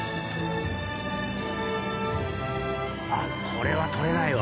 あっこれは取れないわ。